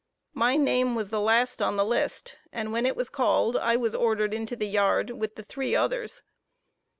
My name was the last on the list, and when it was called I was ordered into the yard with the three others.